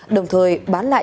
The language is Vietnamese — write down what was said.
đồng thời bán lại